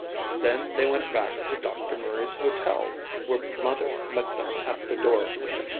Then they went back to Dr. Murray's Hotel where Mother met them at the door.